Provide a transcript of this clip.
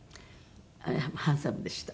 ハンサムでした。